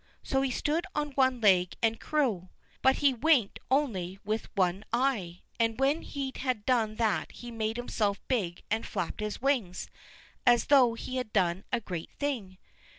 So he stood on one leg and crew; but he winked only with one eye, and when he had done that he made himself big and flapped his wings, as though he had done a great thing.